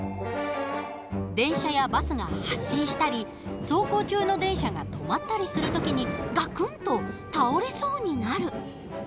電車やバスが発進したり走行中の電車が止まったりする時にガクンと倒れそうになる。